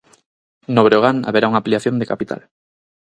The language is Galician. No Breogán haberá unha ampliación de capital.